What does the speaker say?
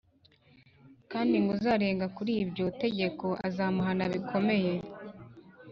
kandi ngo uzarenga kuri iryo tegeko azamuhana bikomeye